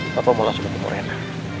papa mau langsung ketemu rena